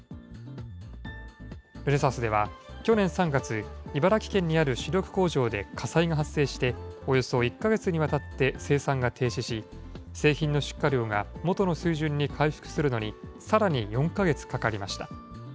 ルネサスでは去年３月、茨城県にある主力工場で火災が発生して、およそ１か月にわたって生産が停止し、製品の出荷量が元の水準に回復するのに、さらに４か月かかりました。